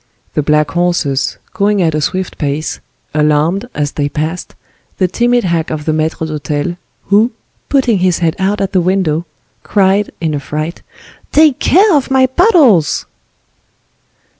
The black horses, going at a swift pace, alarmed, as they passed, the timid hack of the maitre d'hotel, who, putting his head out at the window, cried, in a fright, "Take care of my bottles!"